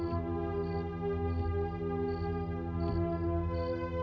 saya akan mencari suami saya